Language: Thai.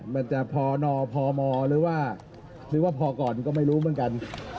มันจะพอนพมหรือว่าหรือว่าพอก่อนก็ไม่รู้เหมือนกัน